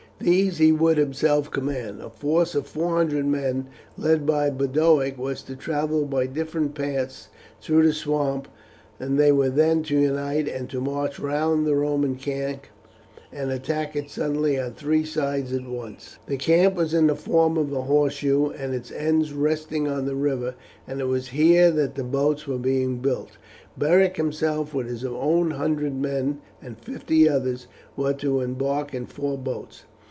These he would himself command. A force of four hundred men, led by Boduoc, were to travel by different paths through the swamp; they were then to unite and to march round the Roman camp, and attack it suddenly on three sides at once. The camp was in the form of a horseshoe, and its ends resting on the river, and it was here that the boats were being built. Beric himself with his own hundred men and fifty others were to embark in four boats.